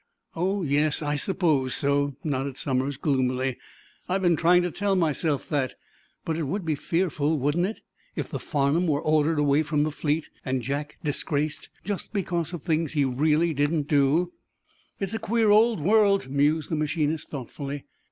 "Oh, yes, I suppose so," nodded Somers, gloomily. "I've been trying to tell myself that. But it would be fearful, wouldn't it, if the 'Farnum' were ordered away from the fleet, and Jack disgraced, just because of things he really didn't do." "It's a queer old world," mused the machinist, thoughtfully.